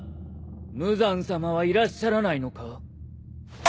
無惨さまはいらっしゃらないのか。